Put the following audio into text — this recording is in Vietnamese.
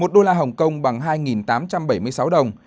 một đô la hồng kông bằng hai tám trăm bảy mươi sáu đồng